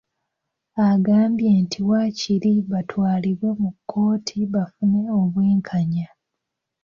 Agambye nti waakiri batwalibwe mu kkooti bafune obwenkanya